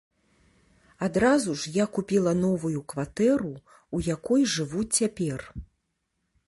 Адразу ж я купіла новую кватэру, у якой жыву цяпер.